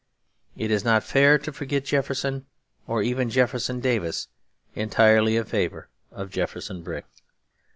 It is not fair to forget Jefferson, or even Jefferson Davis, entirely in favour of Jefferson Brick.